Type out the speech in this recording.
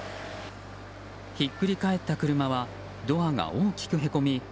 ひっくり返った車はドアが大きくへこみ